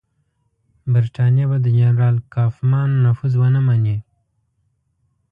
برټانیه به د جنرال کوفمان نفوذ ونه مني.